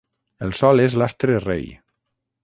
El sol és l'astre rei.